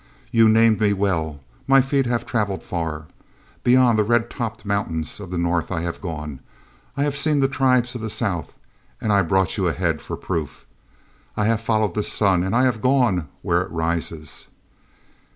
You named me well: my feet have traveled far. Beyond the red topped mountains of the north I have gone; I have seen the tribes of the south, and I brought you a head for proof. I have followed the sun, and I have gone where it rises."